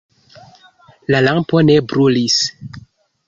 La lampo ne brulis.